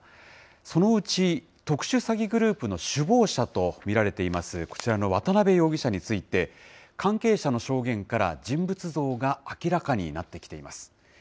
そのうち特殊詐欺グループの首謀者と見られています、こちらの渡邉容疑者について、関係者の証言から、人物像が明らかになってきています。